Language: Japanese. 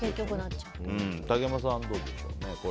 竹山さんはどうでしょう。